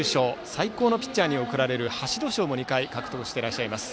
最高のピッチャーに贈られる橋戸賞も２回獲得されています。